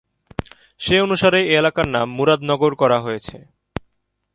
সে অনুসারে এ এলাকার নামকরণ মুরাদনগর করা হয়েছে।